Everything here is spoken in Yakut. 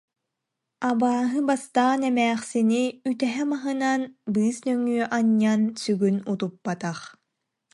Абааһы бастаан эмээхсини үтэһэ маһынан быыс нөҥүө анньан сүгүн утуппатах